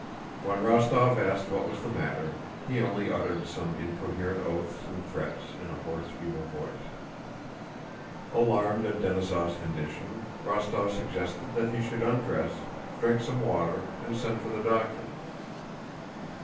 When Rostóv asked what was the matter, he only uttered some incoherent oaths and threats in a hoarse, feeble voice. Alarmed at Denísov's condition, Rostóv suggested that he should undress, drink some water, and send for the doctor.